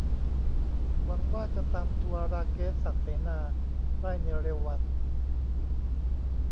หวังว่าจะตามตัว ราเกซ ศักดิ์เสนา ได้ในเร็ววัน